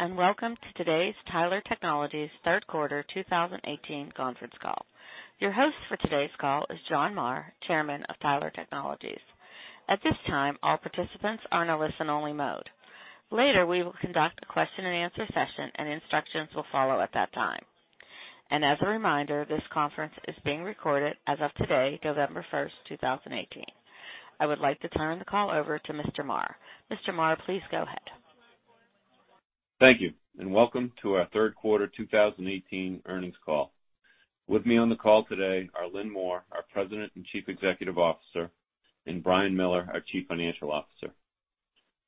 Hello. Welcome to today's Tyler Technologies third quarter 2018 conference call. Your host for today's call is John Marr, Chairman of Tyler Technologies. At this time, all participants are in a listen-only mode. Later, we will conduct a question and answer session. Instructions will follow at that time. As a reminder, this conference is being recorded as of today, November 1st, 2018. I would like to turn the call over to Mr. Marr. Mr. Marr, please go ahead. Thank you. Welcome to our third quarter 2018 earnings call. With me on the call today are Lynn Moore, our President and Chief Executive Officer, and Brian Miller, our Executive Vice President and Chief Financial Officer.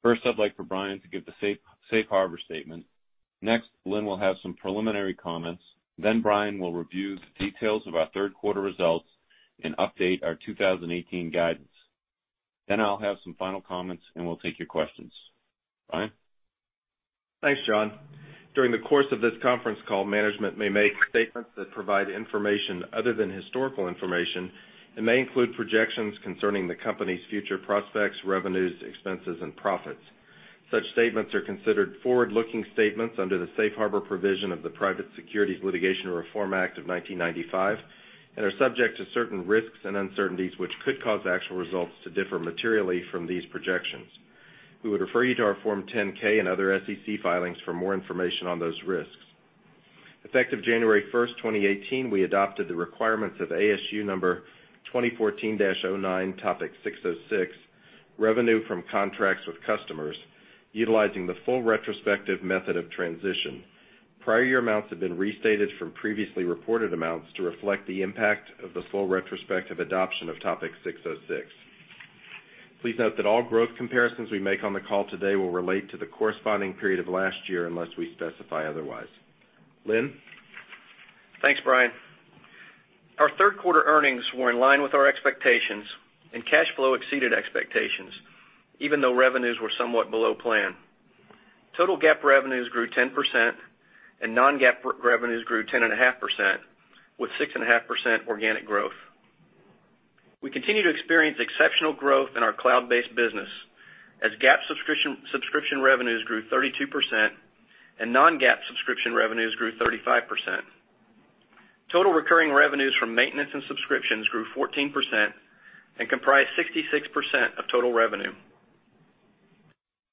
First, I'd like for Brian to give the safe harbor statement. Next, Lynn will have some preliminary comments. Brian will review the details of our third quarter results and update our 2018 guidance. I'll have some final comments, and we'll take your questions. Brian? Thanks, John. During the course of this conference call, management may make statements that provide information other than historical information and may include projections concerning the company's future prospects, revenues, expenses, and profits. Such statements are considered forward-looking statements under the safe harbor provision of the Private Securities Litigation Reform Act of 1995 and are subject to certain risks and uncertainties which could cause actual results to differ materially from these projections. We would refer you to our Form 10-K and other SEC filings for more information on those risks. Effective January 1st, 2018, we adopted the requirements of ASU number 2014-09, Topic 606, Revenue from Contracts with Customers, utilizing the full retrospective method of transition. Prior year amounts have been restated from previously reported amounts to reflect the impact of the full retrospective adoption of Topic 606. Please note that all growth comparisons we make on the call today will relate to the corresponding period of last year unless we specify otherwise. Lynn? Thanks, Brian. Our third quarter earnings were in line with our expectations, cash flow exceeded expectations, even though revenues were somewhat below plan. Total GAAP revenues grew 10%, non-GAAP revenues grew 10.5%, with 6.5% organic growth. We continue to experience exceptional growth in our cloud-based business, as GAAP subscription revenues grew 32%, non-GAAP subscription revenues grew 35%. Total recurring revenues from maintenance and subscriptions grew 14% and comprise 66% of total revenue.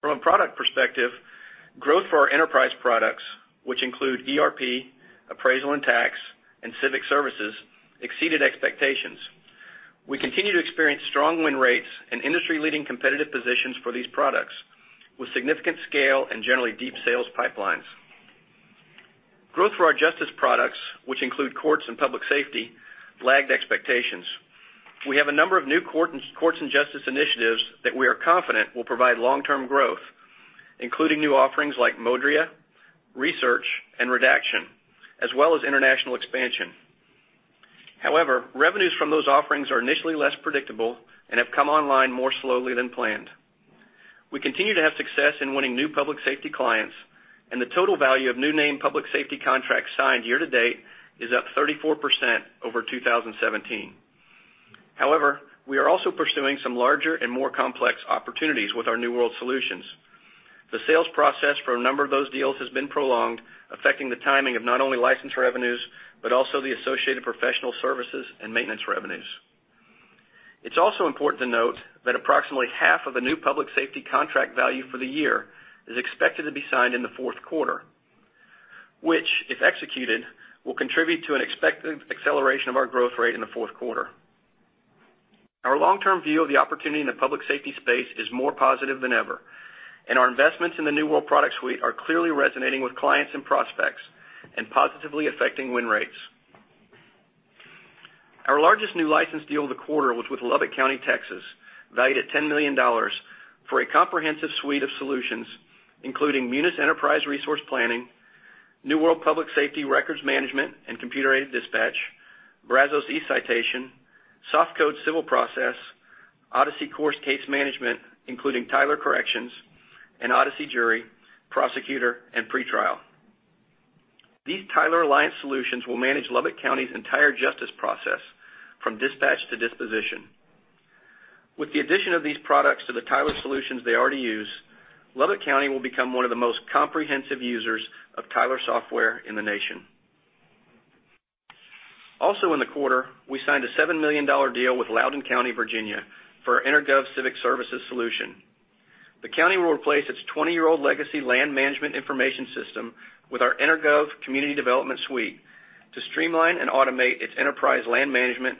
From a product perspective, growth for our enterprise products, which include ERP, appraisal and tax, and civic services, exceeded expectations. We continue to experience strong win rates and industry-leading competitive positions for these products, with significant scale and generally deep sales pipelines. Growth for our justice products, which include courts and public safety, lagged expectations. We have a number of new Courts and Justice initiatives that we are confident will provide long-term growth, including new offerings like Modria, re:Search, and redaction, as well as international expansion. Revenues from those offerings are initially less predictable and have come online more slowly than planned. We continue to have success in winning new public safety clients, the total value of new named public safety contracts signed year to date is up 34% over 2017. We are also pursuing some larger and more complex opportunities with our New World solutions. The sales process for a number of those deals has been prolonged, affecting the timing of not only license revenues, but also the associated professional services and maintenance revenues. It's also important to note that approximately half of the new public safety contract value for the year is expected to be signed in the fourth quarter, which, if executed, will contribute to an expected acceleration of our growth rate in the fourth quarter. Our long-term view of the opportunity in the public safety space is more positive than ever, our investments in the New World product suite are clearly resonating with clients and prospects and positively affecting win rates. Our largest new license deal of the quarter was with Lubbock County, Texas, valued at $10 million for a comprehensive suite of solutions, including Munis Enterprise Resource Planning, New World Public Safety Records Management and Computer Aided Dispatch, Brazos eCitation, SoftCode Civil Process, Odyssey Court Case Management, including Tyler Corrections, Odyssey Jury, Prosecutor, and Pretrial. These Tyler Alliance solutions will manage Lubbock County's entire justice process, from dispatch to disposition. With the addition of these products to the Tyler solutions they already use, Lubbock County will become one of the most comprehensive users of Tyler software in the nation. Also in the quarter, we signed a $7 million deal with Loudoun County, Virginia, for our EnerGov Civic Services solution. The county will replace its 20-year-old legacy land management information system with our EnerGov Community Development Suite to streamline and automate its enterprise land management,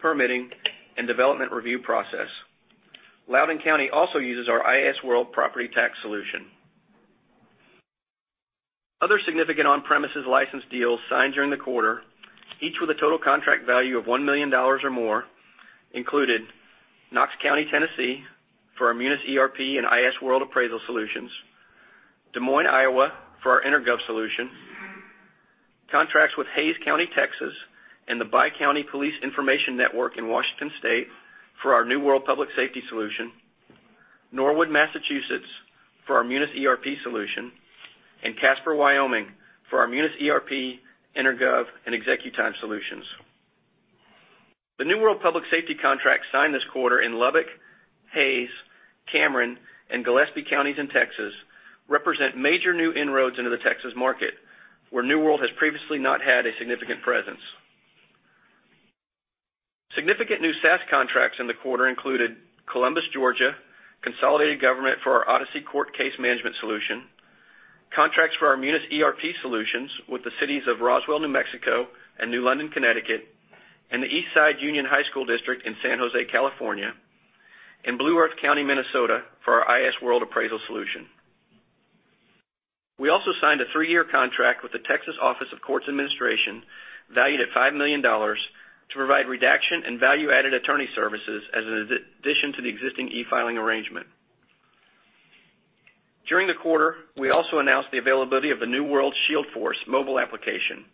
permitting, and development review process. Loudoun County also uses our iasWorld Property Tax solution. Other significant on-premises license deals signed during the quarter, each with a total contract value of $1 million or more, included Knox County, Tennessee, for our Munis ERP and iasWorld Appraisal Solutions. Des Moines, Iowa, for our EnerGov solution. Contracts with Hays County, Texas, and the Bi-County Police Information Network in Washington State for our New World Public Safety solution. Norwood, Massachusetts, for our Munis ERP solution. Casper, Wyoming, for our Munis ERP, EnerGov, and ExecuTime solutions. The New World Public Safety contract signed this quarter in Lubbock, Hays, Cameron, and Gillespie Counties in Texas represent major new inroads into the Texas market, where New World has previously not had a significant presence. Significant new SaaS contracts in the quarter included Columbus, Georgia Consolidated Government for our Odyssey Court Case Management solution, contracts for our Munis ERP solutions with the cities of Roswell, New Mexico, and New London, Connecticut, and the East Side Union High School District in San Jose, California, and Blue Earth County, Minnesota, for our iasWorld appraisal solution. We also signed a 3-year contract with the Texas Office of Court Administration, valued at $5 million, to provide redaction and value-added attorney services as an addition to the existing e-filing arrangement. During the quarter, we also announced the availability of the New World ShieldForce mobile application.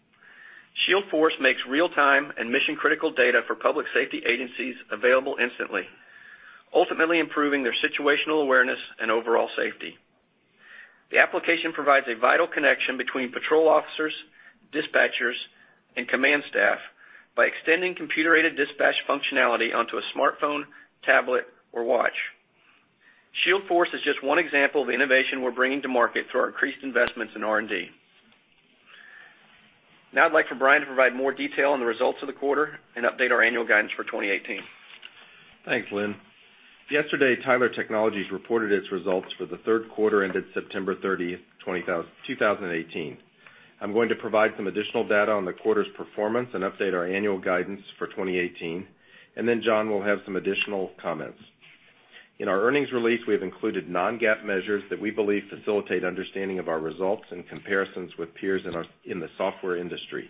ShieldForce makes real-time and mission-critical data for public safety agencies available instantly, ultimately improving their situational awareness and overall safety. The application provides a vital connection between patrol officers, dispatchers, and command staff by extending computer-aided dispatch functionality onto a smartphone, tablet, or watch. ShieldForce is just one example of the innovation we're bringing to market through our increased investments in R&D. I'd like for Brian to provide more detail on the results of the quarter and update our annual guidance for 2018. Thanks, Lynn. Yesterday, Tyler Technologies reported its results for the third quarter ended September 30th, 2018. I'm going to provide some additional data on the quarter's performance and update our annual guidance for 2018. Then John will have some additional comments. In our earnings release, we have included non-GAAP measures that we believe facilitate understanding of our results and comparisons with peers in the software industry.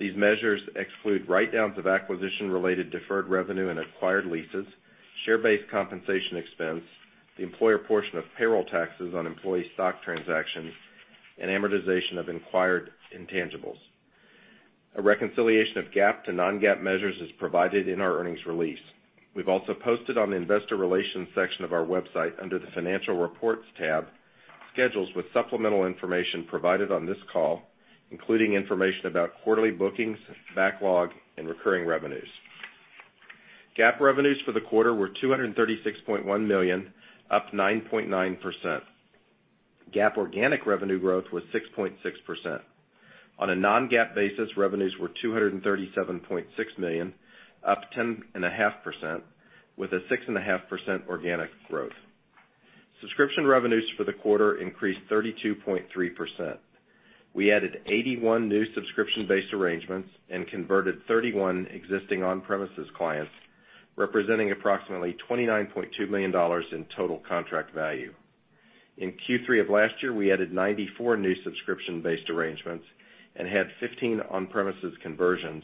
These measures exclude write-downs of acquisition-related deferred revenue and acquired leases, share-based compensation expense, the employer portion of payroll taxes on employee stock transactions, and amortization of acquired intangibles. A reconciliation of GAAP to non-GAAP measures is provided in our earnings release. We've also posted on the investor relations section of our website, under the financial reports tab, schedules with supplemental information provided on this call, including information about quarterly bookings, backlog, and recurring revenues. GAAP revenues for the quarter were $236.1 million, up 9.9%. GAAP organic revenue growth was 6.6%. On a non-GAAP basis, revenues were $237.6 million, up 10.5%, with a 6.5% organic growth. Subscription revenues for the quarter increased 32.3%. We added 81 new subscription-based arrangements and converted 31 existing on-premises clients, representing approximately $29.2 million in total contract value. In Q3 of last year, we added 94 new subscription-based arrangements and had 15 on-premises conversions,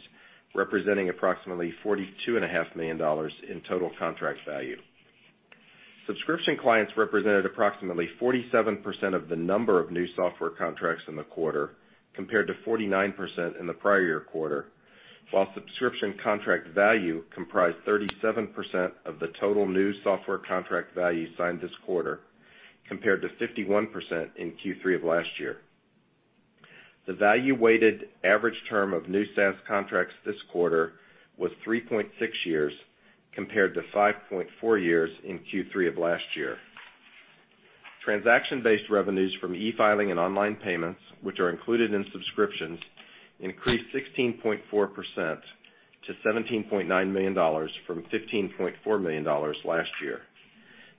representing approximately $42.5 million in total contract value. Subscription clients represented approximately 47% of the number of new software contracts in the quarter, compared to 49% in the prior year quarter, while subscription contract value comprised 37% of the total new software contract value signed this quarter, compared to 51% in Q3 of last year. The value weighted average term of new SaaS contracts this quarter was 3.6 years, compared to 5.4 years in Q3 of last year. Transaction-based revenues from e-filing and online payments, which are included in subscriptions, increased 16.4% to $17.9 million from $15.4 million last year.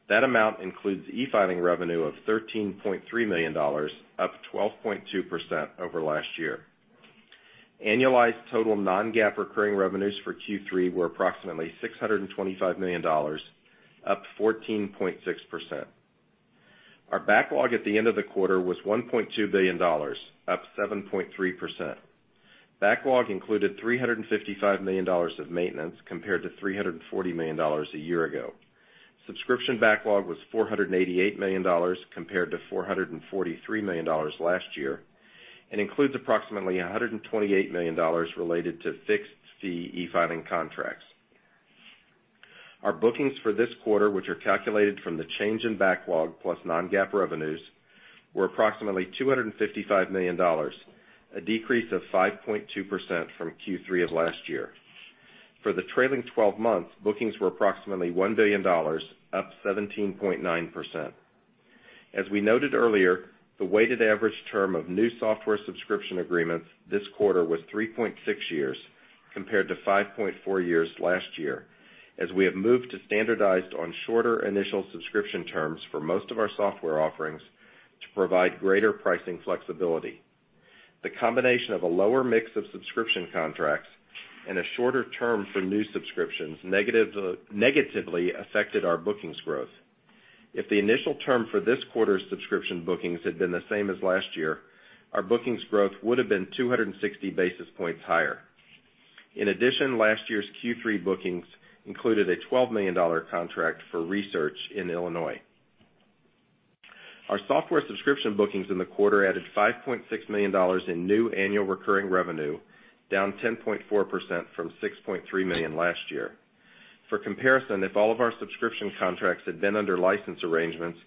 That amount includes e-filing revenue of $13.3 million, up 12.2% over last year. Annualized total non-GAAP recurring revenues for Q3 were approximately $625 million, up 14.6%. Our backlog at the end of the quarter was $1.2 billion, up 7.3%. Backlog included $355 million of maintenance compared to $340 million a year ago. Subscription backlog was $488 million compared to $443 million last year, and includes approximately $128 million related to fixed fee e-filing contracts. Our bookings for this quarter, which are calculated from the change in backlog plus non-GAAP revenues, were approximately $255 million, a decrease of 5.2% from Q3 of last year. For the trailing 12 months, bookings were approximately $1 billion, up 17.9%. As we noted earlier, the weighted average term of new software subscription agreements this quarter was 3.6 years compared to 5.4 years last year, as we have moved to standardized on shorter initial subscription terms for most of our software offerings to provide greater pricing flexibility. The combination of a lower mix of subscription contracts and a shorter term for new subscriptions negatively affected our bookings growth. If the initial term for this quarter's subscription bookings had been the same as last year, our bookings growth would've been 260 basis points higher. In addition, last year's Q3 bookings included a $12 million contract for re:Search Illinois. Our software subscription bookings in the quarter added $5.6 million in new annual recurring revenue, down 10.4% from $6.3 million last year. For comparison, if all of our subscription contracts had been under license arrangements,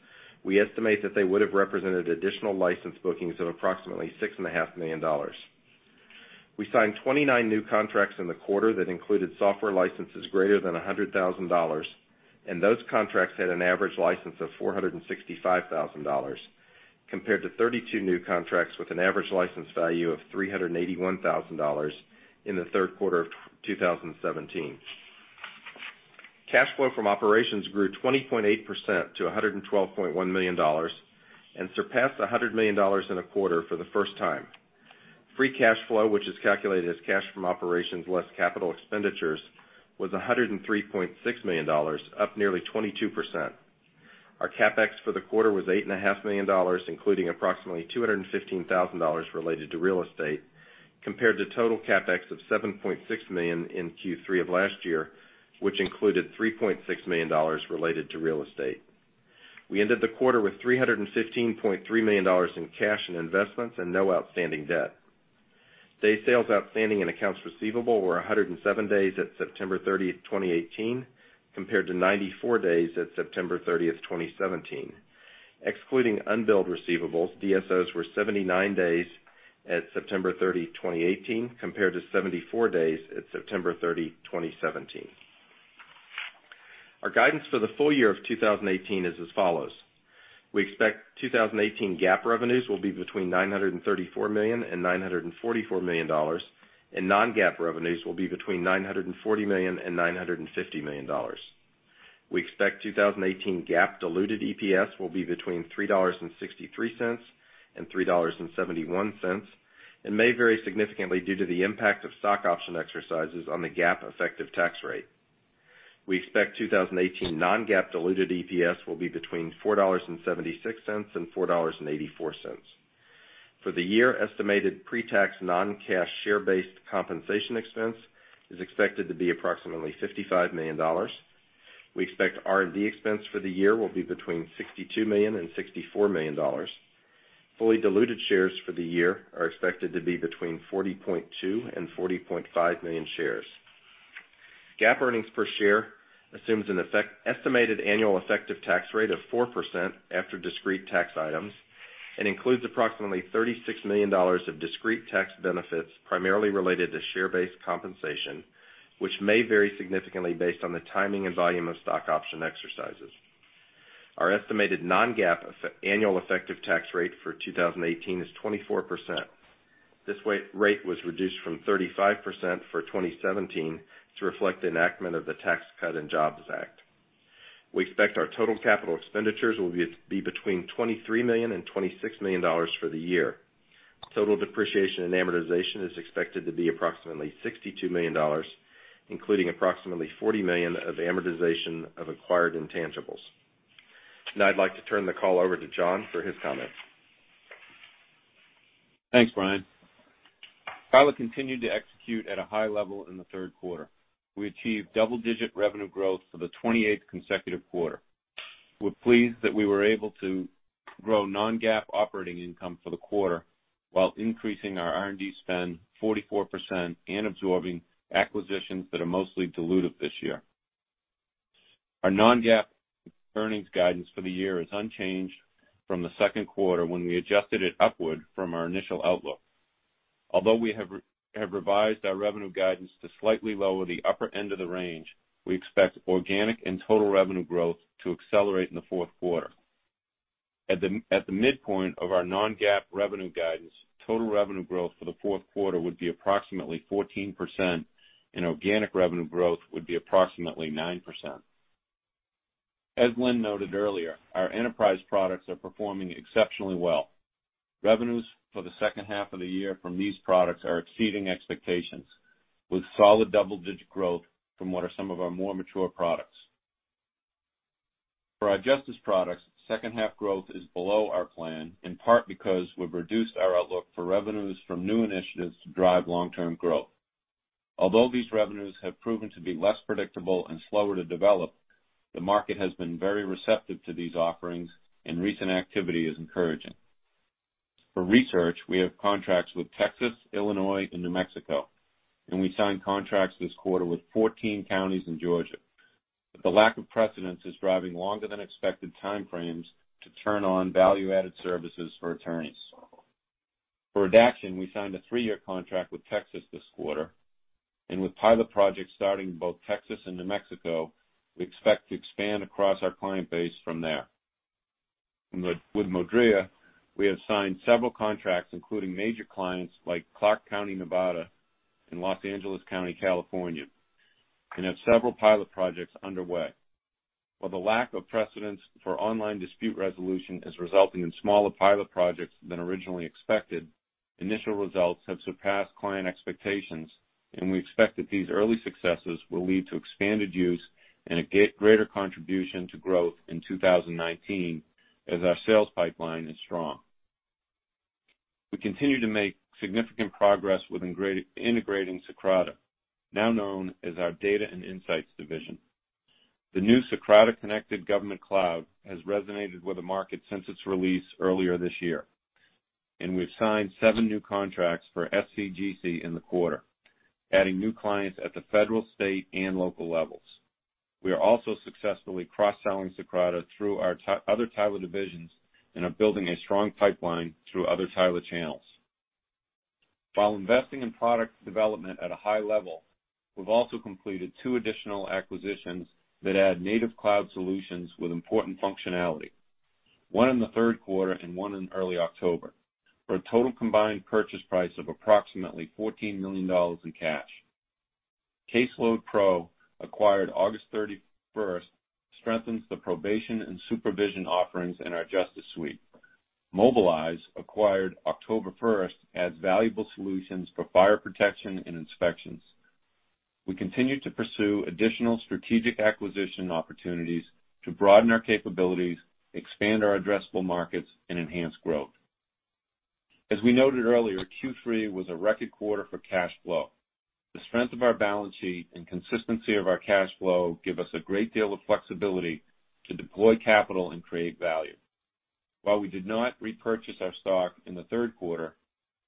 we estimate that they would have represented additional license bookings of approximately $6.5 million. We signed 29 new contracts in the quarter that included software licenses greater than $100,000, and those contracts had an average license of $465,000, compared to 32 new contracts with an average license value of $381,000 in the third quarter of 2017. Cash flow from operations grew 20.8% to $112.1 million and surpassed $100 million in a quarter for the first time. Free cash flow, which is calculated as cash from operations less capital expenditures, was $103.6 million, up nearly 22%. Our CapEx for the quarter was $8.5 million, including approximately $215,000 related to real estate, compared to total CapEx of $7.6 million in Q3 of last year, which included $3.6 million related to real estate. We ended the quarter with $315.3 million in cash and investments and no outstanding debt. Days Sales Outstanding and accounts receivable were 107 days at September 30th, 2018, compared to 94 days at September 30th, 2017. Excluding unbilled receivables, DSOs were 79 days at September 30, 2018, compared to 74 days at September 30, 2017. Our guidance for the full year of 2018 is as follows. We expect 2018 GAAP revenues will be between $934 million and $944 million, and non-GAAP revenues will be between $940 million and $950 million. We expect 2018 GAAP diluted EPS will be between $3.63 and $3.71, and may vary significantly due to the impact of stock option exercises on the GAAP effective tax rate. We expect 2018 non-GAAP diluted EPS will be between $4.76 and $4.84. For the year, estimated pre-tax non-cash share-based compensation expense is expected to be approximately $55 million. We expect R&D expense for the year will be between $62 million and $64 million. Fully diluted shares for the year are expected to be between 40.2 and 40.5 million shares. GAAP earnings per share assumes an estimated annual effective tax rate of 4% after discrete tax items and includes approximately $36 million of discrete tax benefits, primarily related to share-based compensation, which may vary significantly based on the timing and volume of stock option exercises. Our estimated non-GAAP annual effective tax rate for 2018 is 24%. This rate was reduced from 35% for 2017 to reflect the enactment of the Tax Cuts and Jobs Act. We expect our total capital expenditures will be between $23 million and $26 million for the year. Total depreciation and amortization is expected to be approximately $62 million, including approximately $40 million of amortization of acquired intangibles. Now I'd like to turn the call over to John for his comments. Thanks, Brian. Tyler continued to execute at a high level in the third quarter. We achieved double-digit revenue growth for the 28th consecutive quarter. We're pleased that we were able to grow non-GAAP operating income for the quarter while increasing our R&D spend 44% and absorbing acquisitions that are mostly dilutive this year. Our non-GAAP earnings guidance for the year is unchanged from the second quarter when we adjusted it upward from our initial outlook. Although we have revised our revenue guidance to slightly lower the upper end of the range, we expect organic and total revenue growth to accelerate in the fourth quarter. At the midpoint of our non-GAAP revenue guidance, total revenue growth for the fourth quarter would be approximately 14%, and organic revenue growth would be approximately 9%. As Lynn noted earlier, our enterprise products are performing exceptionally well. Revenues for the second half of the year from these products are exceeding expectations, with solid double-digit growth from what are some of our more mature products. For our Justice products, second half growth is below our plan, in part because we've reduced our outlook for revenues from new initiatives to drive long-term growth. Although these revenues have proven to be less predictable and slower to develop, the market has been very receptive to these offerings and recent activity is encouraging. For re:Search, we have contracts with Texas, Illinois, and New Mexico, and we signed contracts this quarter with 14 counties in Georgia. The lack of precedents is driving longer than expected time frames to turn on value-added services for attorneys. For redaction, we signed a three-year contract with Texas this quarter, and with pilot projects starting both Texas and New Mexico, we expect to expand across our client base from there. With Modria, we have signed several contracts, including major clients like Clark County, Nevada, and Los Angeles County, California, and have several pilot projects underway. While the lack of precedents for online dispute resolution is resulting in smaller pilot projects than originally expected, initial results have surpassed client expectations, and we expect that these early successes will lead to expanded use and a greater contribution to growth in 2019, as our sales pipeline is strong. We continue to make significant progress with integrating Socrata, now known as our Data & Insights division. The new Socrata Connected Government Cloud has resonated with the market since its release earlier this year. We've signed seven new contracts for SCGC in the quarter, adding new clients at the federal, state, and local levels. We are also successfully cross-selling Socrata through our other Tyler divisions and are building a strong pipeline through other Tyler channels. While investing in product development at a high level, we've also completed two additional acquisitions that add native cloud solutions with important functionality, one in the third quarter and one in early October, for a total combined purchase price of approximately $14 million in cash. CaseloadPRO, acquired August 31st, strengthens the probation and supervision offerings in our Justice Suite. MobileEyes, acquired October 1st, adds valuable solutions for fire protection and inspections. We continue to pursue additional strategic acquisition opportunities to broaden our capabilities, expand our addressable markets, and enhance growth. As we noted earlier, Q3 was a record quarter for cash flow. The strength of our balance sheet and consistency of our cash flow give us a great deal of flexibility to deploy capital and create value. While we did not repurchase our stock in the third quarter,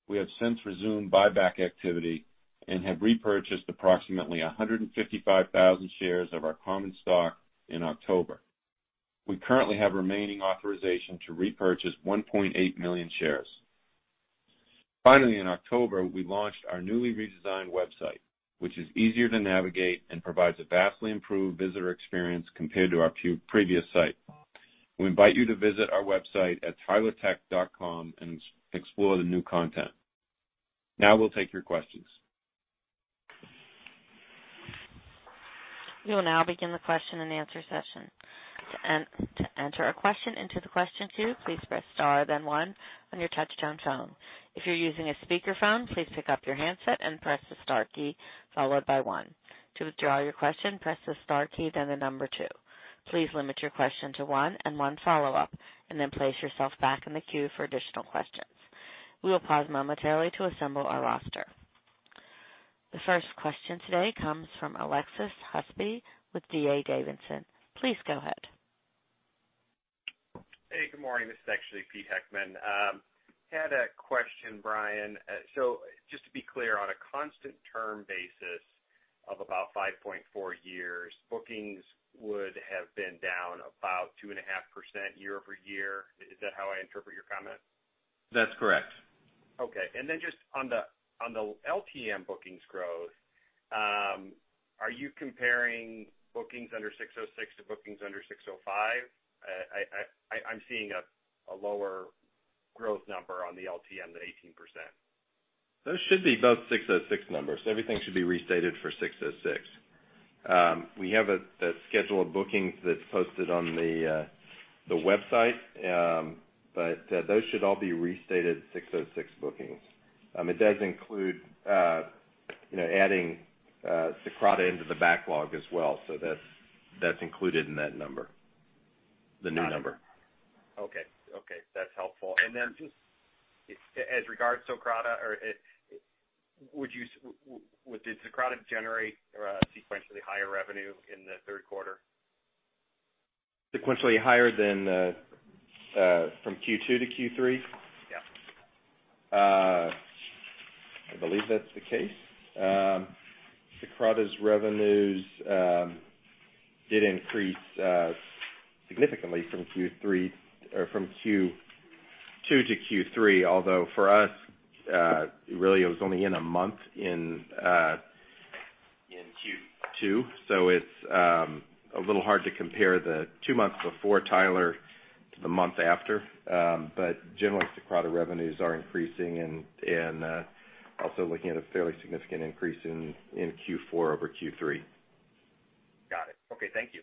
we have since resumed buyback activity and have repurchased approximately 155,000 shares of our common stock in October. We currently have remaining authorization to repurchase 1.8 million shares. Finally, in October, we launched our newly redesigned website, which is easier to navigate and provides a vastly improved visitor experience compared to our previous site. We invite you to visit our website at tylertech.com and explore the new content. Now we'll take your questions. We will now begin the question and answer session. To enter a question into the question queue, please press star then one on your touchtone phone. If you're using a speakerphone, please pick up your handset and press the star key followed by one. To withdraw your question, press the star key, then the number two. Please limit your question to one and one follow-up, and then place yourself back in the queue for additional questions. We will pause momentarily to assemble our roster. The first question today comes from Alexis Husby with D.A. Davidson. Please go ahead. Hey, good morning. This is actually Pete Heckmann. Had a question, Brian. Just to be clear, on a constant term basis of about 5.4 years, bookings would have been down about 2.5% year-over-year. Is that how I interpret your comment? That's correct. Okay. Just on the LTM bookings growth, are you comparing bookings under 606 to bookings under 605? I'm seeing a lower growth number on the LTM than 18%. Those should be both 606 numbers. Everything should be restated for 606. We have a schedule of bookings that's posted on the website, those should all be restated 606 bookings. It does include adding Socrata into the backlog as well. That's included in that number, the new number. Okay. That's helpful. Just as regards Socrata, did Socrata generate sequentially higher revenue in the third quarter? Sequentially higher than from Q2 to Q3? Yeah. I believe that's the case. Socrata's revenues did increase significantly from Q2 to Q3, although for us, really it was only in a month in Q2. It's a little hard to compare the two months before Tyler to the month after. Generally, Socrata revenues are increasing and also looking at a fairly significant increase in Q4 over Q3. Got it. Okay. Thank you.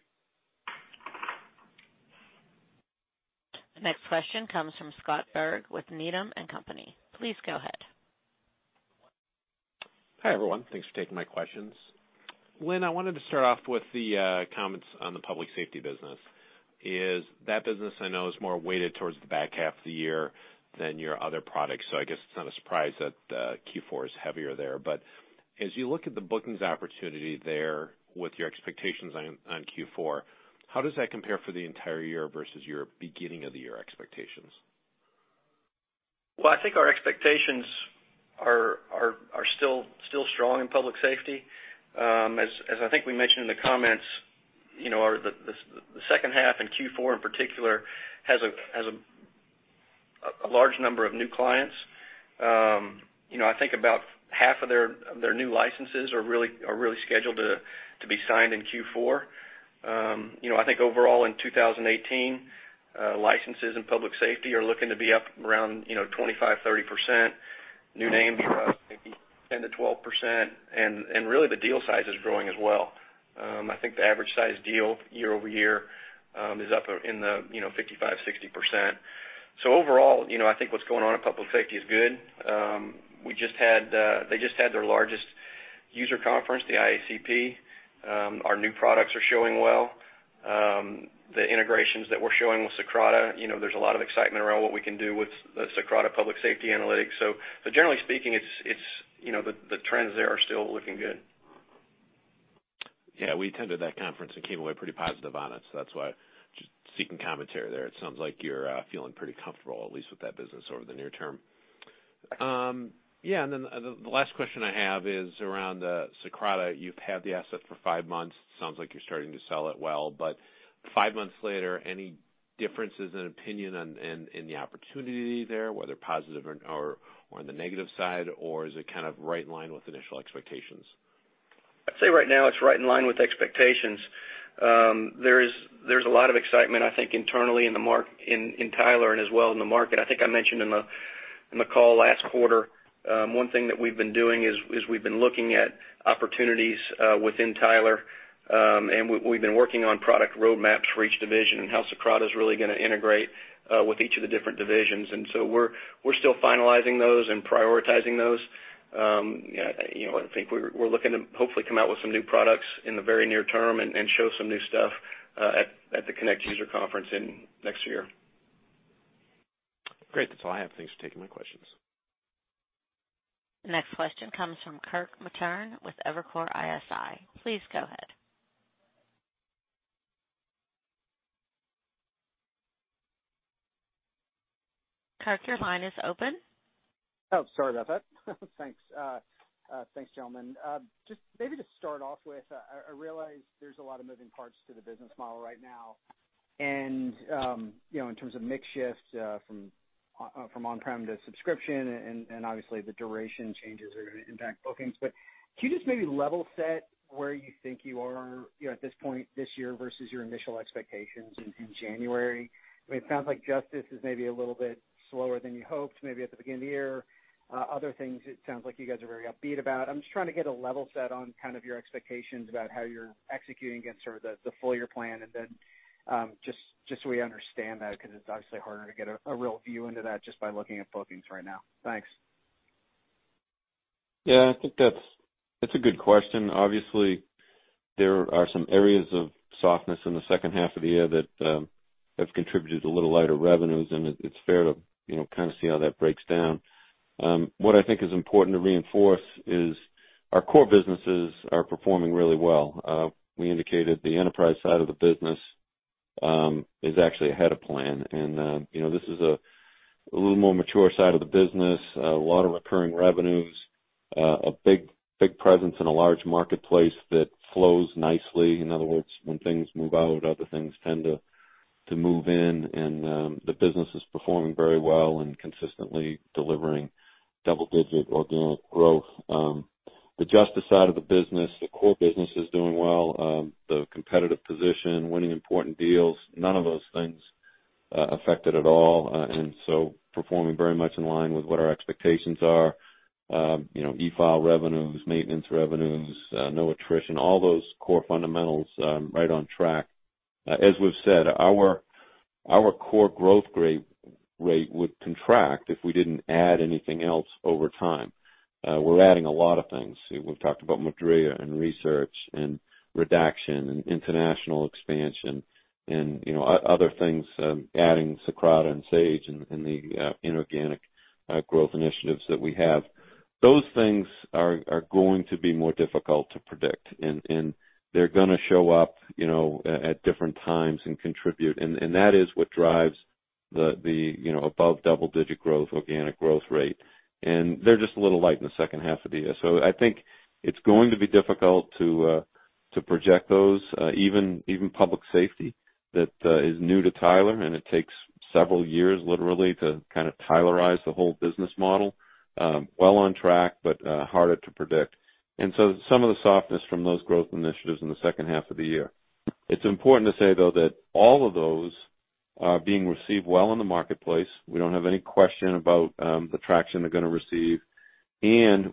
The next question comes from Scott Berg with Needham & Company. Please go ahead. Hi, everyone. Thanks for taking my questions. Lynn, I wanted to start off with the comments on the public safety business. That business I know is more weighted towards the back half of the year than your other products. I guess it's not a surprise that Q4 is heavier there. As you look at the bookings opportunity there with your expectations on Q4, how does that compare for the entire year versus your beginning of the year expectations? I think our expectations are still strong in public safety. As I think we mentioned in the comments, the second half in Q4 in particular has a large number of new clients. I think about half of their new licenses are really scheduled to be signed in Q4. I think overall in 2018, licenses in public safety are looking to be up around 25%-30%. New names are up maybe 10%-12%, and really the deal size is growing as well. I think the average size deal year-over-year is up in the 55%-60%. Overall, I think what's going on in public safety is good. They just had their largest user conference, the IACP. Our new products are showing well. The integrations that we're showing with Socrata, there's a lot of excitement around what we can do with the Socrata Public Safety Analytics. generally speaking, the trends there are still looking good. We attended that conference and came away pretty positive on it, that's why. Just seeking commentary there. It sounds like you're feeling pretty comfortable, at least, with that business over the near term. The last question I have is around Socrata. You've had the asset for five months. Sounds like you're starting to sell it well, but five months later, any differences in opinion in the opportunity there, whether positive or on the negative side, or is it right in line with initial expectations? I'd say right now it's right in line with expectations. There's a lot of excitement, I think, internally in Tyler and as well in the market. I think I mentioned in the call last quarter, one thing that we've been doing is we've been looking at opportunities within Tyler, and we've been working on product roadmaps for each division and how Socrata is really going to integrate with each of the different divisions. We're still finalizing those and prioritizing those. I think we're looking to hopefully come out with some new products in the very near term and show some new stuff at the Tyler Connect next year. Great. That's all I have. Thanks for taking my questions. Next question comes from Kirk Materne with Evercore ISI. Please go ahead. Kirk, your line is open. Oh, sorry about that. Thanks. Thanks, gentlemen. Maybe just start off with, I realize there's a lot of moving parts to the business model right now, and in terms of mix shift from on-prem to subscription, and obviously, the duration changes are going to impact bookings. Can you just maybe level set where you think you are at this point this year versus your initial expectations in January? It sounds like Justice is maybe a little bit slower than you hoped, maybe at the beginning of the year. Other things, it sounds like you guys are very upbeat about. I'm just trying to get a level set on your expectations about how you're executing against the full-year plan, because it's obviously harder to get a real view into that just by looking at bookings right now. Thanks. Yeah, I think that's a good question. Obviously, there are some areas of softness in the second half of the year that have contributed to little lighter revenues, and it's fair to kind of see how that breaks down. What I think is important to reinforce is our core businesses are performing really well. We indicated the Enterprise side of the business is actually ahead of plan. This is a little more mature side of the business, a lot of recurring revenues, a big presence in a large marketplace that flows nicely. In other words, when things move out, other things tend to move in, and the business is performing very well and consistently delivering double-digit organic growth. The Justice side of the business, the core business is doing well. The competitive position, winning important deals, none of those things affected at all. Performing very much in line with what our expectations are. E-file revenues, maintenance revenues, no attrition, all those core fundamentals right on track. As we've said, our core growth rate would contract if we didn't add anything else over time. We're adding a lot of things. We've talked about Modria and re:Search Illinois and redaction and international expansion and other things, adding Socrata and Sage and the inorganic growth initiatives that we have. Those things are going to be more difficult to predict, and they're going to show up at different times and contribute. That is what drives the above double-digit growth, organic growth rate. They're just a little light in the second half of the year. I think it's going to be difficult to project those, even public safety that is new to Tyler, and it takes several years, literally, to kind of Tylerize the whole business model. Well on track, but harder to predict. Some of the softness from those growth initiatives in the second half of the year. It's important to say, though, that all of those are being received well in the marketplace. We don't have any question about the traction they're going to receive.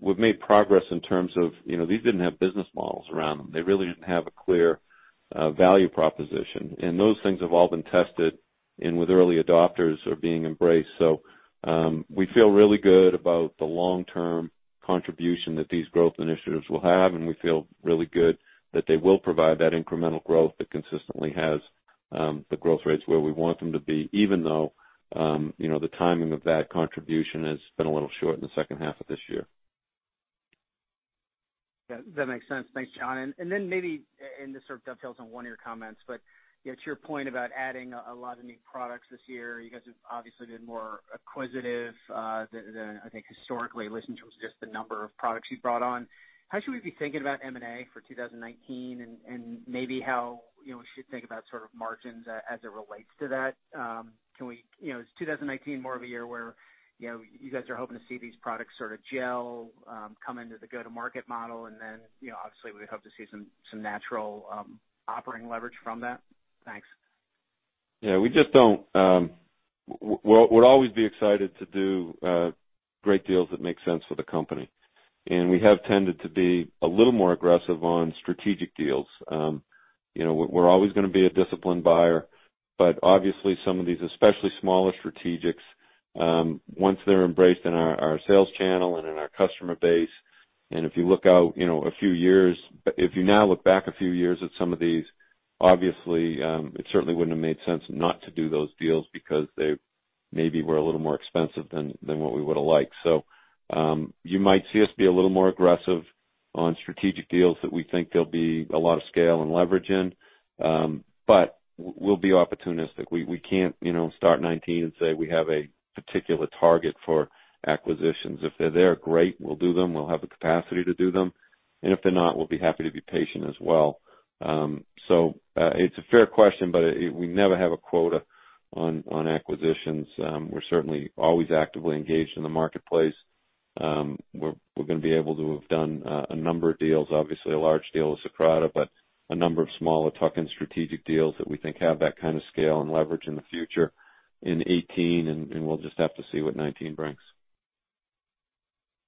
We've made progress in terms of, these didn't have business models around them. They really didn't have a clear value proposition. Those things have all been tested and with early adopters are being embraced. We feel really good about the long-term contribution that these growth initiatives will have, and we feel really good that they will provide that incremental growth that consistently has the growth rates where we want them to be, even though the timing of that contribution has been a little short in the second half of this year. That makes sense. Thanks, John. Maybe, and this sort of dovetails on one of your comments, but to your point about adding a lot of new products this year, you guys have obviously been more acquisitive than, I think, historically, at least in terms of just the number of products you've brought on. How should we be thinking about M&A for 2019, and maybe how we should think about margins as it relates to that? Is 2019 more of a year where you guys are hoping to see these products sort of gel, come into the go-to-market model, and then obviously we'd hope to see some natural operating leverage from that? Thanks. We'll always be excited to do great deals that make sense for the company. We have tended to be a little more aggressive on strategic deals. We're always going to be a disciplined buyer, but obviously some of these, especially smaller strategics, once they're embraced in our sales channel and in our customer base, and if you now look back a few years at some of these, obviously, it certainly wouldn't have made sense not to do those deals because Maybe we're a little more expensive than what we would've liked. You might see us be a little more aggressive on strategic deals that we think there'll be a lot of scale and leverage in. We'll be opportunistic. We can't start 2019 and say we have a particular target for acquisitions. If they're there, great, we'll do them. We'll have the capacity to do them. If they're not, we'll be happy to be patient as well. It's a fair question, but we never have a quota on acquisitions. We're certainly always actively engaged in the marketplace. We're going to be able to have done a number of deals, obviously a large deal with Socrata, but a number of smaller tuck-in strategic deals that we think have that kind of scale and leverage in the future in 2018, and we'll just have to see what 2019 brings.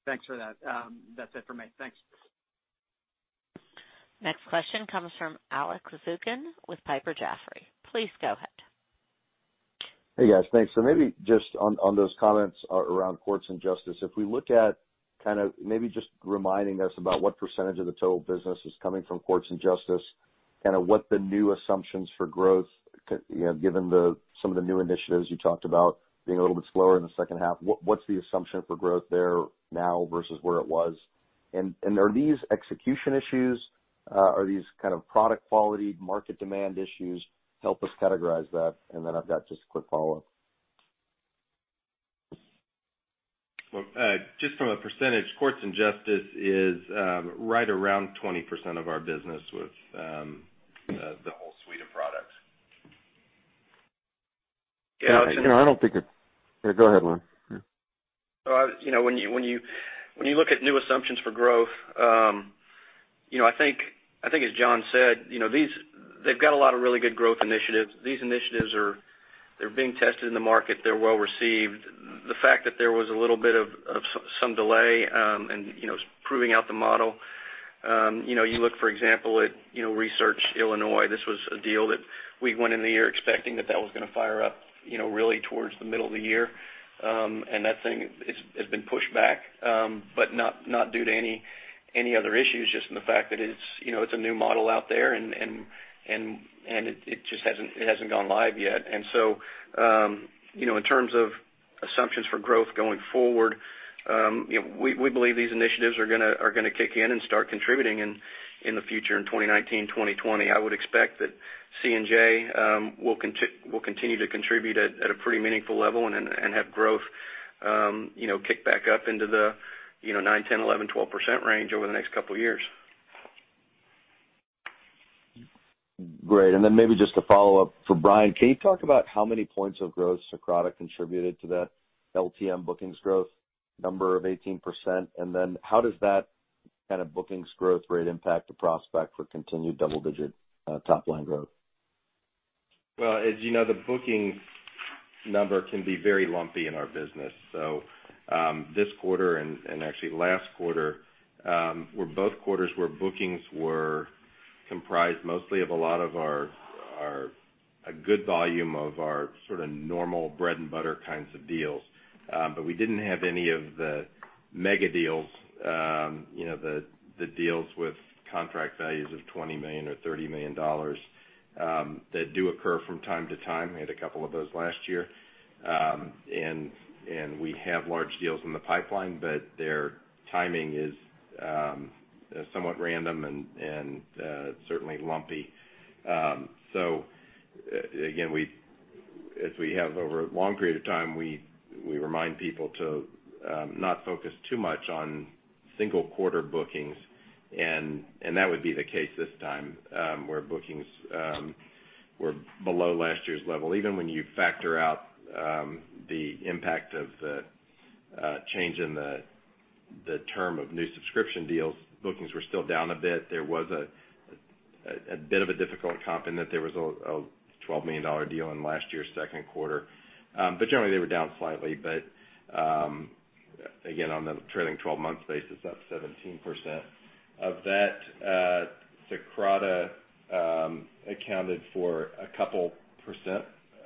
Thanks for that. That's it for me. Thanks. Next question comes from Alex Zukin with Piper Jaffray. Please go ahead. Hey, guys. Thanks. Maybe just on those comments around Courts and Justice, if we look at maybe just reminding us about what percentage of the total business is coming from Courts and Justice, what the new assumptions for growth, given some of the new initiatives you talked about being a little bit slower in the second half, what's the assumption for growth there now versus where it was? Are these execution issues? Are these product quality, market demand issues? Help us categorize that, and then I've got just a quick follow-up. Well, just from a percentage, Courts and Justice is right around 20% of our business with the whole suite of products. Yeah. Yeah, go ahead, Lynn. When you look at new assumptions for growth, I think as John said, they've got a lot of really good growth initiatives. These initiatives are being tested in the market. They're well-received. The fact that there was a little bit of some delay, and proving out the model. You look, for example, at re:Search Illinois. This was a deal that we went into the year expecting that was going to fire up really towards the middle of the year. That thing has been pushed back, but not due to any other issues, just from the fact that it's a new model out there, and it just hasn't gone live yet. In terms of assumptions for growth going forward, we believe these initiatives are going to kick in and start contributing in the future, in 2019, 2020. I would expect that C&J will continue to contribute at a pretty meaningful level and have growth kick back up into the nine, 10, 11, 12% range over the next couple of years. Great. Maybe just to follow up for Brian. Can you talk about how many points of growth Socrata contributed to that LTM bookings growth number of 18%? How does that kind of bookings growth rate impact the prospect for continued double-digit top-line growth? Well, as you know, the bookings number can be very lumpy in our business. This quarter and actually last quarter, were both quarters where bookings were comprised mostly of a good volume of our sort of normal bread-and-butter kinds of deals. We didn't have any of the mega deals, the deals with contract values of $20 million or $30 million, that do occur from time to time. We had a couple of those last year. We have large deals in the pipeline, but their timing is somewhat random and certainly lumpy. Again, as we have over a long period of time, we remind people to not focus too much on single-quarter bookings, and that would be the case this time, where bookings were below last year's level. Even when you factor out the impact of the change in the term of new subscription deals, bookings were still down a bit. There was a bit of a difficult comp in that there was a $12 million deal in last year's second quarter. Generally, they were down slightly. Again, on the trailing 12-month basis, up 17%. Of that, Socrata accounted for a couple %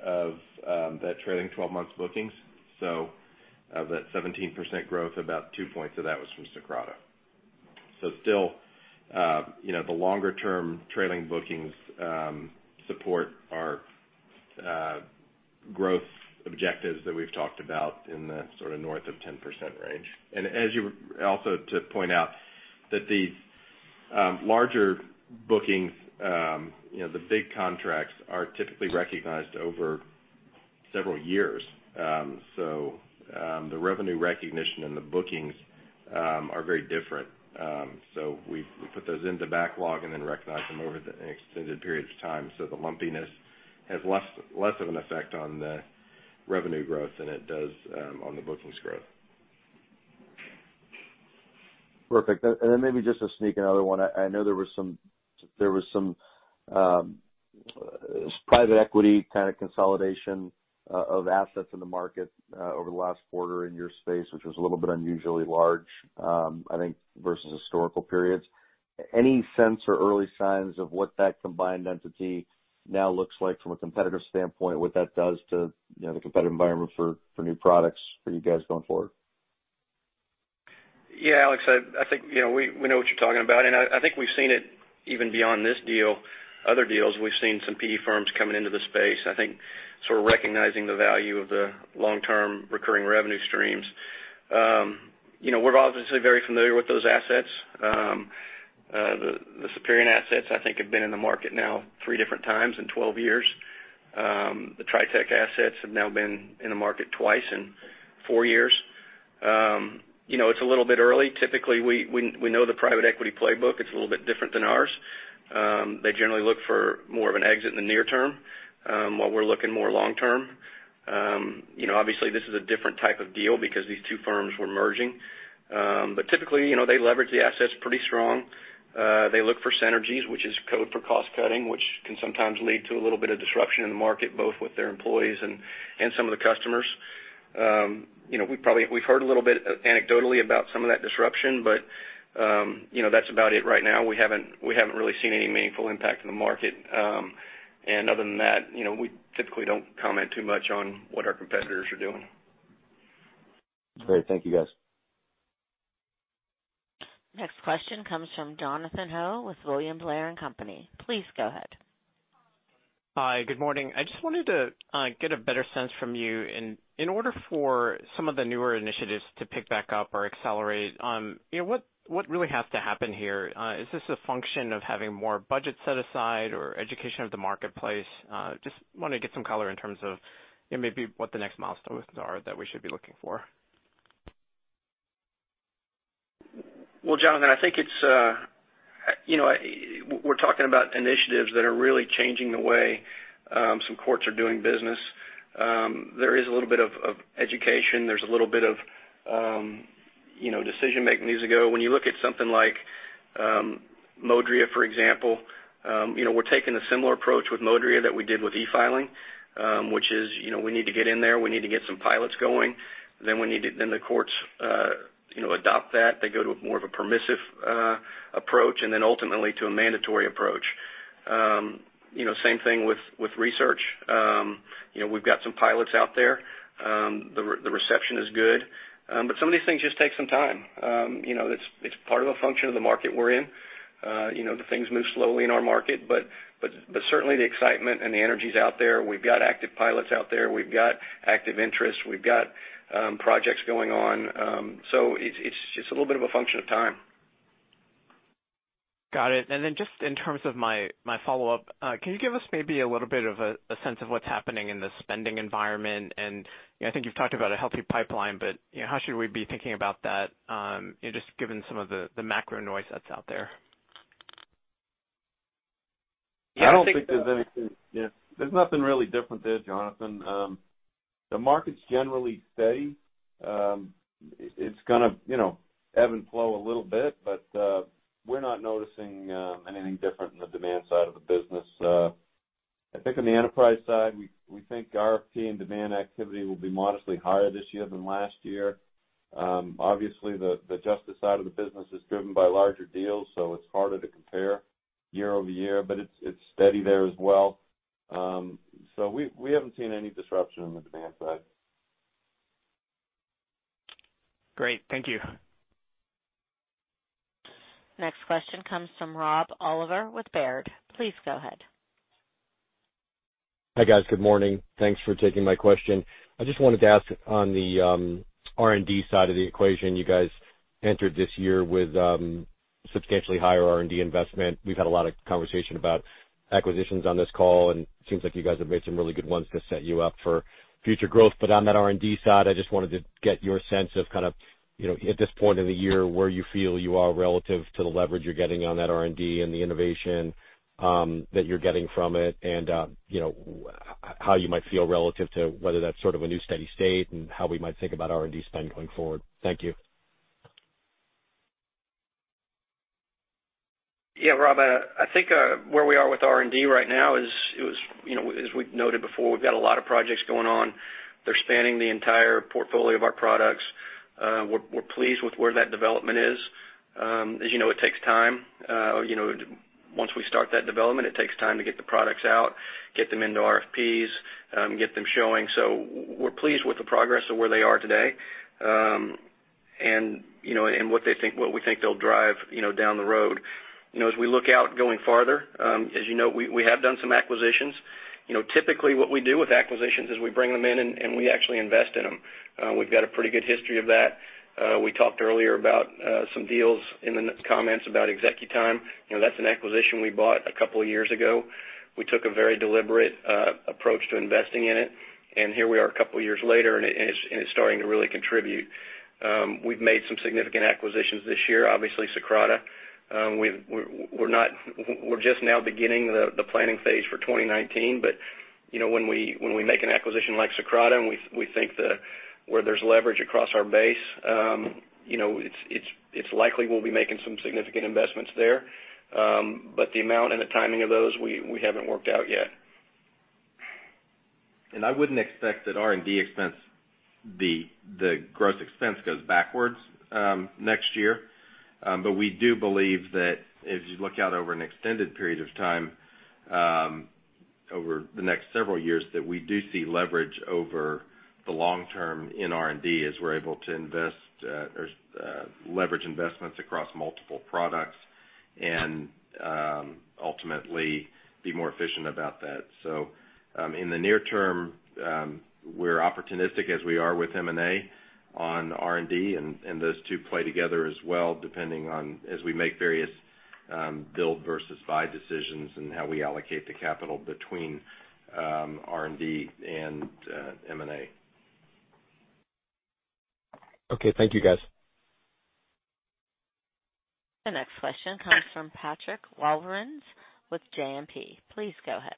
of that trailing 12 months bookings. Of that 17% growth, about two points of that was from Socrata. Still, the longer-term trailing bookings support our growth objectives that we've talked about in the north of 10% range. Also to point out that the larger bookings, the big contracts are typically recognized over several years. The revenue recognition and the bookings are very different. We put those into backlog and then recognize them over an extended period of time. The lumpiness has less of an effect on the revenue growth than it does on the bookings growth. Perfect. Then maybe just to sneak another one. I know there was some private equity consolidation of assets in the market over the last quarter in your space, which was a little bit unusually large, I think, versus historical periods. Any sense or early signs of what that combined entity now looks like from a competitive standpoint? What that does to the competitive environment for new products for you guys going forward? Alex, I think we know what you're talking about, I think we've seen it even beyond this deal. Other deals, we've seen some PE firms coming into the space. I think, sort of recognizing the value of the long-term recurring revenue streams. We're obviously very familiar with those assets. The Superion assets, I think, have been in the market now three different times in 12 years. The TriTech assets have now been in the market twice in four years. It's a little bit early. Typically, we know the private equity playbook. It's a little bit different than ours. They generally look for more of an exit in the near term, while we're looking more long term. Obviously, this is a different type of deal because these two firms were merging. Typically, they leverage the assets pretty strong. They look for synergies, which is code for cost cutting, which can sometimes lead to a little bit of disruption in the market, both with their employees and some of the customers. We've heard a little bit anecdotally about some of that disruption, but that's about it right now. We haven't really seen any meaningful impact in the market. Other than that, we typically don't comment too much on what our competitors are doing. Great. Thank you, guys. Next question comes from Jonathan Ho with William Blair & Company. Please go ahead. Hi. Good morning. I just wanted to get a better sense from you. In order for some of the newer initiatives to pick back up or accelerate, what really has to happen here? Is this a function of having more budget set aside or education of the marketplace? Just want to get some color in terms of maybe what the next milestones are that we should be looking for. Well, Jonathan, I think we're talking about initiatives that are really changing the way some courts are doing business. There is a little bit of education. There's a little bit of decision-making that needs to go. When you look at something like Modria, for example, we're taking a similar approach with Modria that we did with e-filing, which is, we need to get in there. We need to get some pilots going. The courts adopt that. They go to more of a permissive approach, and then ultimately to a mandatory approach. Same thing with re:Search. We've got some pilots out there. The reception is good. Some of these things just take some time. It's part of a function of the market we're in. The things move slowly in our market. Certainly the excitement and the energy's out there. We've got active pilots out there. We've got active interest. We've got projects going on. It's just a little bit of a function of time. Got it. Then just in terms of my follow-up, can you give us maybe a little bit of a sense of what's happening in the spending environment? I think you've talked about a healthy pipeline, but how should we be thinking about that, just given some of the macro noise that's out there? Yeah, I think. I don't think there's nothing really different there, Jonathan. The market's generally steady. It's going to ebb and flow a little bit, but we're not noticing anything different in the demand side of the business. I think on the enterprise side, we think RFP and demand activity will be modestly higher this year than last year. Obviously, the justice side of the business is driven by larger deals, so it's harder to compare year-over-year, but it's steady there as well. We haven't seen any disruption on the demand side. Great. Thank you. Next question comes from Rob Oliver with Baird. Please go ahead. Hi, guys. Good morning. Thanks for taking my question. I just wanted to ask on the R&D side of the equation, you guys entered this year with substantially higher R&D investment. We've had a lot of conversation about acquisitions on this call, and it seems like you guys have made some really good ones to set you up for future growth. On that R&D side, I just wanted to get your sense of kind of, at this point in the year, where you feel you are relative to the leverage you're getting on that R&D and the innovation that you're getting from it and how you might feel relative to whether that's sort of a new steady state and how we might think about R&D spend going forward. Thank you. Yeah, Rob, I think where we are with R&D right now is, as we've noted before, we've got a lot of projects going on. They're spanning the entire portfolio of our products. We're pleased with where that development is. As you know, it takes time. Once we start that development, it takes time to get the products out, get them into RFPs, get them showing. We're pleased with the progress of where they are today, and what we think they'll drive down the road. As we look out going farther, as you know, we have done some acquisitions. Typically, what we do with acquisitions is we bring them in, and we actually invest in them. We've got a pretty good history of that. We talked earlier about some deals in the comments about ExecuTime. That's an acquisition we bought a couple of years ago. We took a very deliberate approach to investing in it, and here we are a couple of years later, and it's starting to really contribute. We've made some significant acquisitions this year, obviously Socrata. We're just now beginning the planning phase for 2019. When we make an acquisition like Socrata, and we think where there's leverage across our base, it's likely we'll be making some significant investments there. The amount and the timing of those, we haven't worked out yet. I wouldn't expect that R&D expense, the gross expense, goes backwards next year. We do believe that as you look out over an extended period of time Over the next several years, that we do see leverage over the long term in R&D, as we're able to leverage investments across multiple products and ultimately be more efficient about that. In the near term, we're opportunistic as we are with M&A on R&D, and those two play together as well, depending on as we make various build versus buy decisions and how we allocate the capital between R&D and M&A. Okay. Thank you, guys. The next question comes from Patrick Walravens with JMP. Please go ahead.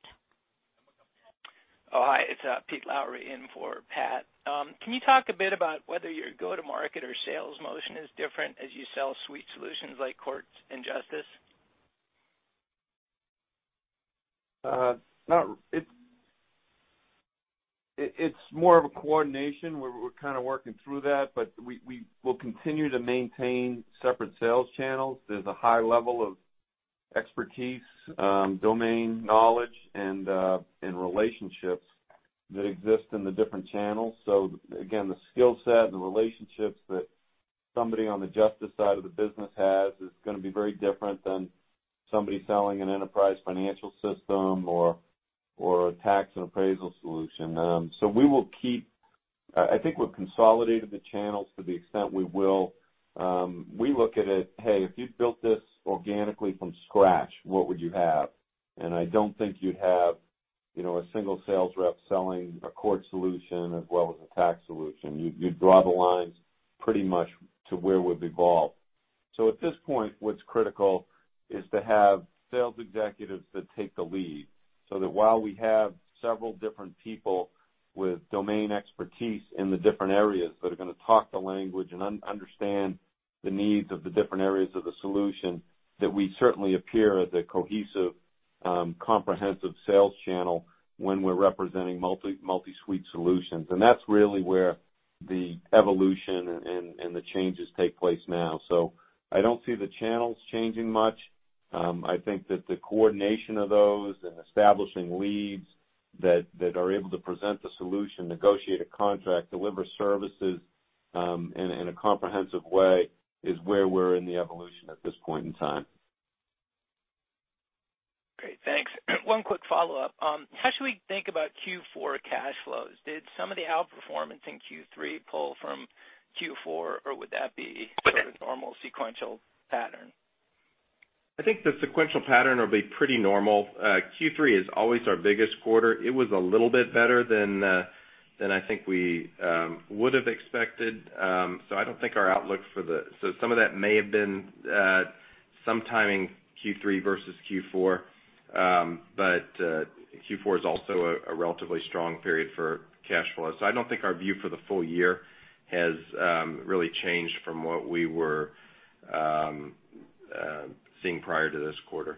Oh, hi. It's Peter Lowry in for Pat. Can you talk a bit about whether your go-to-market or sales motion is different as you sell suite solutions like Courts and Justice? It's more of a coordination. We're kind of working through that. We will continue to maintain separate sales channels. There's a high level of expertise, domain knowledge, and relationships that exist in the different channels. Again, the skill set and the relationships that somebody on the Justice side of the business has is going to be very different than somebody selling an enterprise financial system or a tax and appraisal solution. I think we've consolidated the channels to the extent we will. We look at it, "Hey, if you built this organically from scratch, what would you have?" I don't think you'd have a single sales rep selling a court solution as well as a tax solution. You'd draw the lines pretty much to where we've evolved. At this point, what's critical is to have sales executives that take the lead, so that while we have several different people with domain expertise in the different areas that are going to talk the language and understand the needs of the different areas of the solution, that we certainly appear as a cohesive, comprehensive sales channel when we're representing multi-suite solutions. That's really where the evolution and the changes take place now. I don't see the channels changing much. I think that the coordination of those and establishing leads that are able to present the solution, negotiate a contract, deliver services, in a comprehensive way, is where we're in the evolution at this point in time. Great. Thanks. One quick follow-up. How should we think about Q4 cash flows? Did some of the outperformance in Q3 pull from Q4, or would that be sort of a normal sequential pattern? I think the sequential pattern will be pretty normal. Q3 is always our biggest quarter. It was a little bit better than I think we would have expected. Some of that may have been some timing, Q3 versus Q4. Q4 is also a relatively strong period for cash flow. I don't think our view for the full year has really changed from what we were seeing prior to this quarter.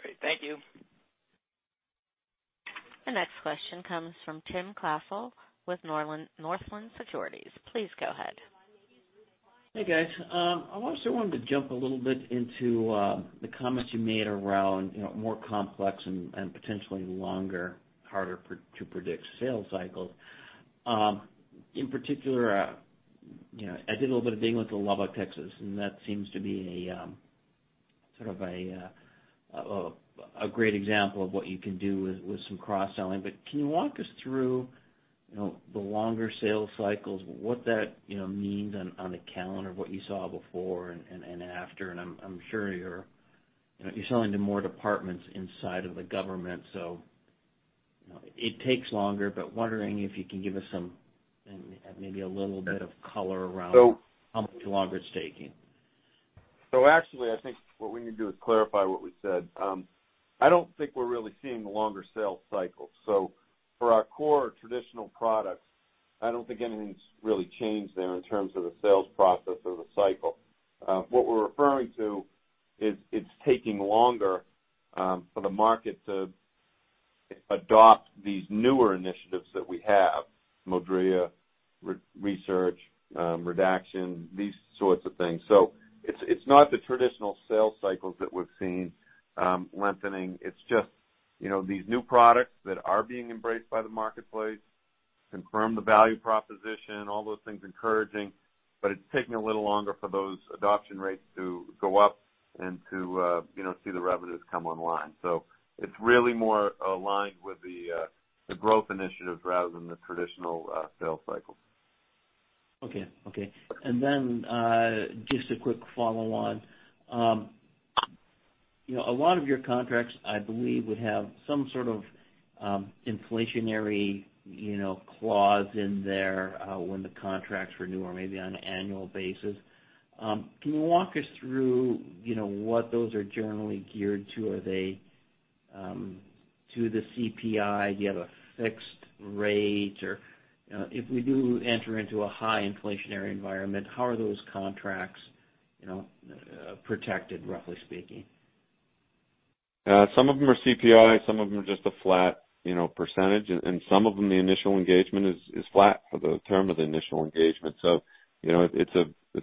Great. Thank you. The next question comes from Timothy Klasell with Northland Securities. Please go ahead. Hey, guys. I also wanted to jump a little bit into the comments you made around more complex and potentially longer, harder to predict sales cycles. In particular, I did a little bit of digging with Lubbock, Texas, and that seems to be a great example of what you can do with some cross-selling. Can you walk us through the longer sales cycles, what that means on the calendar, what you saw before and after? I'm sure you're selling to more departments inside of the government, so it takes longer, but wondering if you can give us maybe a little bit of color around how much longer it's taking. Actually, I think what we need to do is clarify what we said. I don't think we're really seeing the longer sales cycles. For our core traditional products, I don't think anything's really changed there in terms of the sales process or the cycle. What we're referring to is it's taking longer for the market to adopt these newer initiatives that we have, Modria, re:Search, redaction, these sorts of things. It's not the traditional sales cycles that we've seen lengthening. It's just these new products that are being embraced by the marketplace, confirm the value proposition, all those things encouraging. It's taking a little longer for those adoption rates to go up and to see the revenues come online. It's really more aligned with the growth initiatives rather than the traditional sales cycles. Okay. Then, just a quick follow on. A lot of your contracts, I believe, would have some sort of inflationary clause in there, when the contracts renew or maybe on an annual basis. Can you walk us through what those are generally geared to? Are they to the CPI? Do you have a fixed rate? If we do enter into a high inflationary environment, how are those contracts protected, roughly speaking? Some of them are CPI, some of them are just a flat percentage, and some of them, the initial engagement is flat for the term of the initial engagement. It's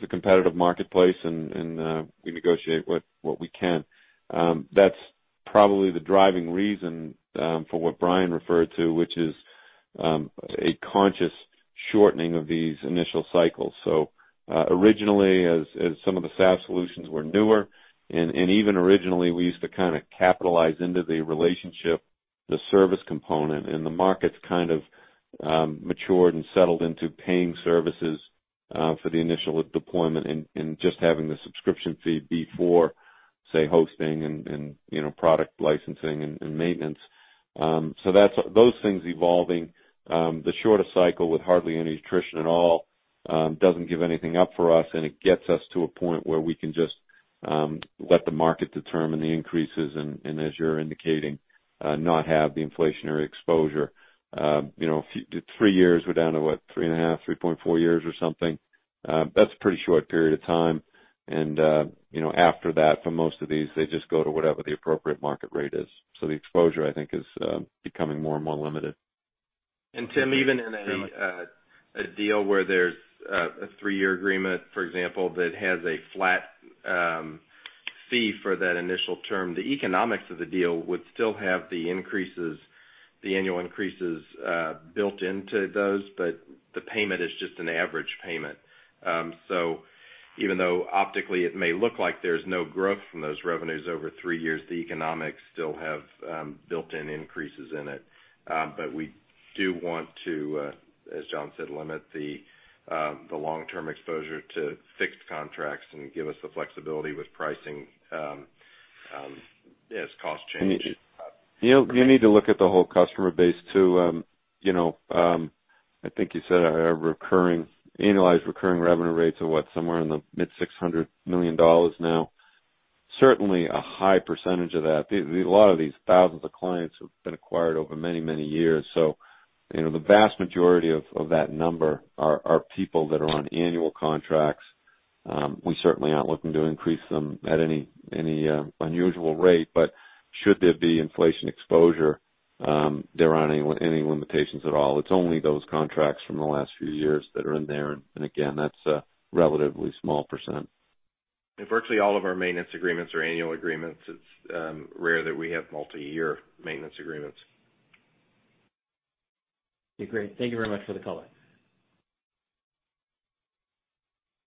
a competitive marketplace, and we negotiate what we can. That's probably the driving reason for what Brian referred to, which is a conscious shortening of these initial cycles. Originally, as some of the SaaS solutions were newer, and even originally, we used to capitalize into the relationship, the service component, and the market's kind of matured and settled into paying services for the initial deployment and just having the subscription fee before, say, hosting and product licensing and maintenance. Those things evolving, the shorter cycle with hardly any attrition at all doesn't give anything up for us. It gets us to a point where we can just let the market determine the increases, as you're indicating, not have the inflationary exposure. Three years, we're down to what? Three and a half, 3.4 years or something. That's a pretty short period of time, and after that, for most of these, they just go to whatever the appropriate market rate is. The exposure, I think, is becoming more and more limited. Tim, even in a deal where there's a three-year agreement, for example, that has a flat fee for that initial term, the economics of the deal would still have the annual increases built into those, but the payment is just an average payment. Even though optically it may look like there's no growth from those revenues over three years, the economics still have built-in increases in it. We do want to, as John said, limit the long-term exposure to fixed contracts and give us the flexibility with pricing as costs change. You need to look at the whole customer base too. I think you said our annualized recurring revenue rates are, what, somewhere in the mid-$600 million now. Certainly, a high percentage of that. A lot of these thousands of clients have been acquired over many, many years. The vast majority of that number are people that are on annual contracts. We certainly aren't looking to increase them at any unusual rate. Should there be inflation exposure, there aren't any limitations at all. It's only those contracts from the last few years that are in there, and again, that's a relatively small %. Virtually all of our maintenance agreements are annual agreements. It's rare that we have multi-year maintenance agreements. Okay, great. Thank you very much for the color.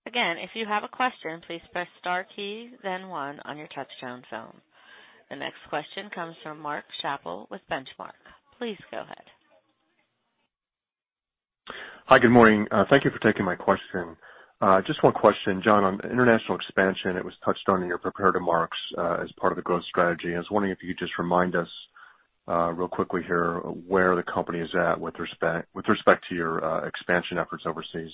Again, if you have a question, please press star key, then one on your touch-tone phone. The next question comes from Mark Schappel with Benchmark. Please go ahead. Hi. Good morning. Thank you for taking my question. Just one question, John, on international expansion. It was touched on in your prepared remarks as part of the growth strategy. I was wondering if you could just remind us real quickly here where the company is at with respect to your expansion efforts overseas.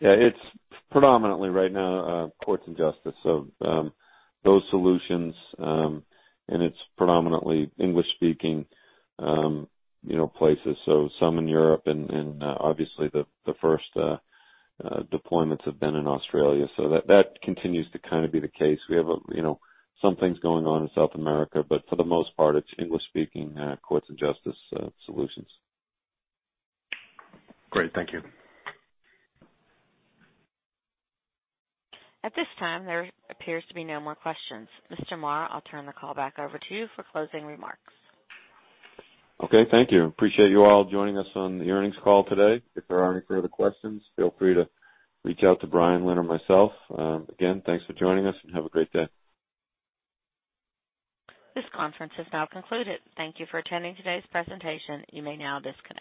Yeah, it's predominantly right now courts and justice. Those solutions, it's predominantly English-speaking places, some in Europe and obviously the first deployments have been in Australia. That continues to be the case. We have some things going on in South America, for the most part, it's English-speaking courts and justice solutions. Great. Thank you. At this time, there appears to be no more questions. Mr. Moore, I'll turn the call back over to you for closing remarks. Okay, thank you. Appreciate you all joining us on the earnings call today. If there are any further questions, feel free to reach out to Brian, Lynn, or myself. Again, thanks for joining us and have a great day. This conference is now concluded. Thank you for attending today's presentation. You may now disconnect.